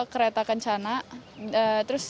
kemudian itu saya membawa bendera pusaka